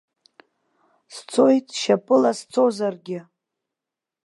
Сцоит, шьапыла сцозаргьы.